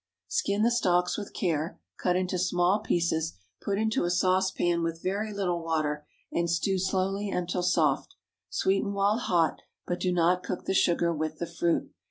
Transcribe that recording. _) Skin the stalks with care, cut into small pieces; put into a saucepan with very little water, and stew slowly until soft. Sweeten while hot, but do not cook the sugar with the fruit.